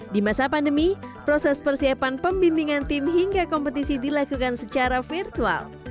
di masa pandemi proses persiapan pembimbingan tim hingga kompetisi dilakukan secara virtual